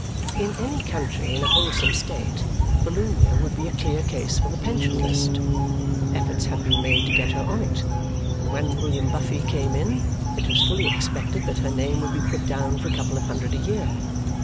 In any country in a wholesome state, Volumnia would be a clear case for the pension list. Efforts have been made to get her on it, and when William Buffy came in, it was fully expected that her name would be put down for a couple of hundred a year.